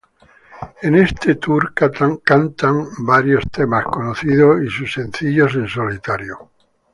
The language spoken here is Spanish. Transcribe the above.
En este tour cantan varios temas conocidos y sus sencillos en solitario.